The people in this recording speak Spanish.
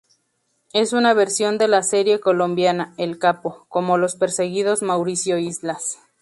Es una versión de la serie colombiana, "El Capo".Como los perseguidos Mauricio Islas.